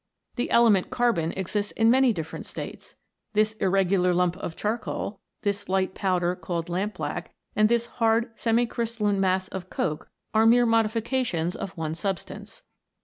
The element carbon exists in many different states. This irregular lump of charcoal, this light powder called lamp black, and this hard semi MODERN ALCHEMY. 85 crj^stalliue mass of coke, are mere modifications of one substance.